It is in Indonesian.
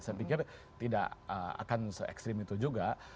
saya pikir tidak akan se ekstrim itu juga